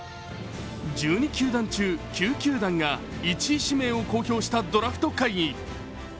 １２球団中９球団が１位指名を公表したドラフト会議。